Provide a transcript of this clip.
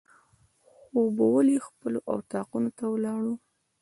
خوبولي خپلو اطاقونو ته ولاړو.